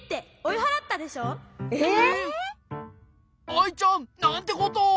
アイちゃんなんてことを！